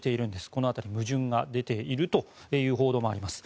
この辺り矛盾が出ているという報道もあります。